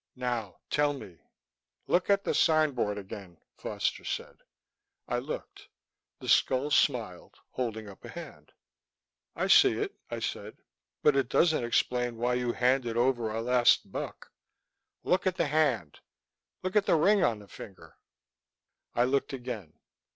"Now tell me." "Look at the signboard again," Foster said. I looked. The skull smiled, holding up a hand. "I see it," I said. "But it doesn't explain why you handed over our last buck " "Look at the hand. Look at the ring on the finger." I looked again.